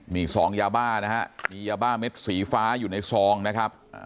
มีซองยาบ้านะฮะมียาบ้าเม็ดสีฟ้าอยู่ในซองนะครับ